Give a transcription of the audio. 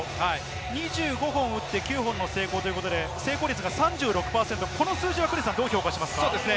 ２５本を打って、９本の成功ということで成功率３６％、この数字はどう評価しますか？